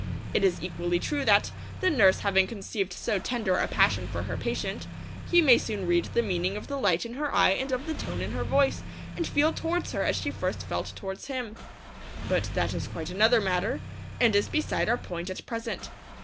It is equally true that, the nurse having conceived so tender a passion for her patient, he may soon read the meaning of the light in her eye and of the tone in her voice, and feel towards her as she first felt towards him. But that is quite another matter, and is beside our point at present.